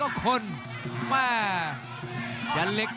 รับทราบบรรดาศักดิ์